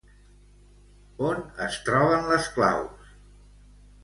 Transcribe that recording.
On es troben les claus?